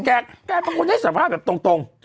แกบังคลให้สภาพแบบตรง